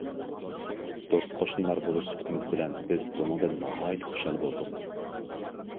دوست قوشنىلار بولۇش سۈپىتىمىز بىلەن بىز بۇنىڭدىن ناھايىتى خۇشال بولدۇق.